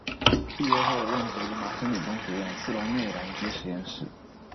毕业后任职于麻省理工学院斯龙内燃机实验室。